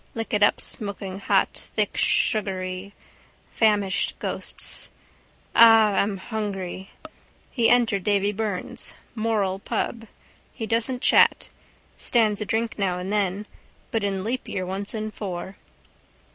Lick it up smokinghot, thick sugary. Famished ghosts. Ah, I'm hungry. He entered Davy Byrne's. Moral pub. He doesn't chat. Stands a drink now and then. But in leapyear once in four.